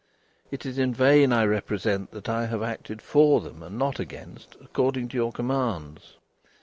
It is in vain I represent that I have acted for them, and not against, according to your commands.